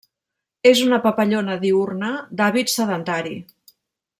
És una papallona diürna d'hàbit sedentari.